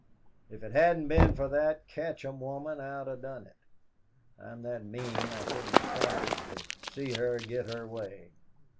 If it hadn't been for that Katcham woman, I'd 'a' done it. I'm that mean I couldn't stand it to see her get her way.